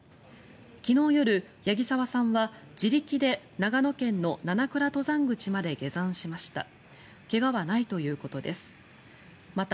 昨日夜、八木澤さんは自力で長野県の七倉登山口まで下山しました。